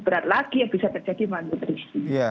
berat lagi yang bisa terjadi malnutrisi